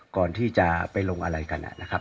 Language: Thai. ก่อนที่จะไปลงอะไรกันนะครับ